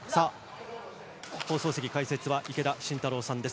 放送席解説は池田信太郎さんです。